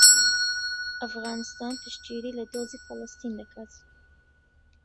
ئەفغانستان پشتگیری لە دۆزی فەڵەستین دەکات.